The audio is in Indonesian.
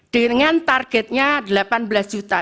dengan targetnya delapan belas juta